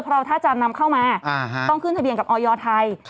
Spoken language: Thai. เพราะถ้าจะนำเข้ามาต้องขึ้นทะเบียนกับออยไทย